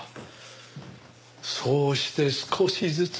そうして少しずつ道を。